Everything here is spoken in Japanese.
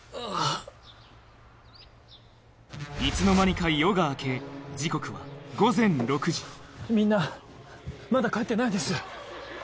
いつの間にか夜が明け時刻は午前６時みんなまだ帰ってないです！